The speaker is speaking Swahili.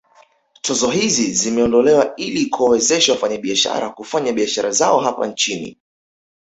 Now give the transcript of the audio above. Tozo hizi zimeondolewa ili kuwawezesha wafanyabiashara kufanya biashara zao hapa nchini